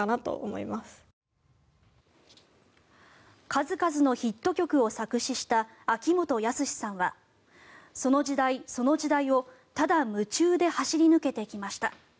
数々のヒット曲を作詞した秋元康さんはその時代、その時代をただ夢中で走り抜けてきました